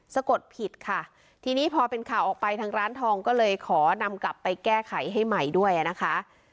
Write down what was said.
สะกดผิดค่ะทีนี้พอเป็นข่าวออกไปทางร้านทองก็เลยขอนำกลับไปแก้ไขให้ใหม่ด้วยนะคะ